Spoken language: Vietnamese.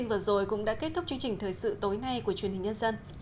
chúng tôi đã kết thúc chương trình thời sự tối nay của truyền hình nhân dân